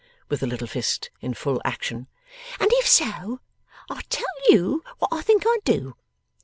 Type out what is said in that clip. With the little fist in full action. 'And if so, I tell you what I think I'd do.